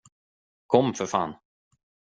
Kom för fan!